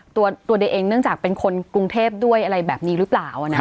ตัวเองเนื่องจากเป็นคนกรุงเทพด้วยอะไรแบบนี้หรือเปล่า